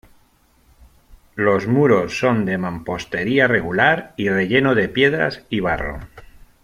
Los muros son de mampostería regular y relleno de piedras y barro.